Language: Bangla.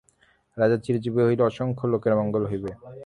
রাজা চিরজীবী হইলে অসংখ্য লোকের মঙ্গল হইবে।